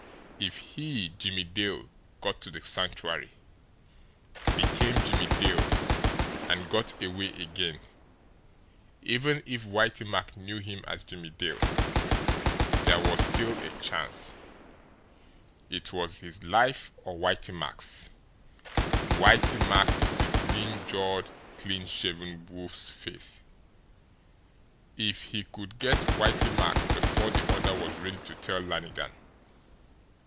If he, Jimmie Dale, got to the Sanctuary, became Jimmie Dale and got away again, even if Whitey Mack knew him as Jimmie Dale, there was still a chance. It was his life or Whitey Mack's Whitey Mack, with his lean jawed, clean shaven wolf's face! If he could get Whitey Mack before the other was ready to tell Lannigan!